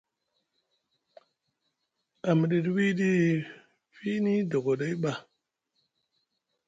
A midiɗi wiɗi fiini dogoɗay ɓa.